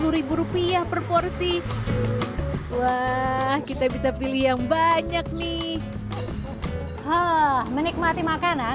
rupiah per porsi wah kita bisa pilih yang banyak nih menikmati makanan